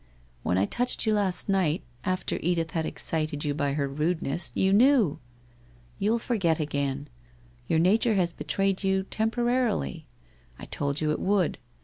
When I touched you last night, after Edith had excited you by her rudeness, you knew! You'll forget again. Your nature has betrayed you — temporarily. I told you it would.